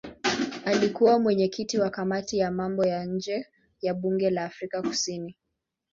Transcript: Alikuwa mwenyekiti wa kamati ya mambo ya nje ya bunge la Afrika Kusini.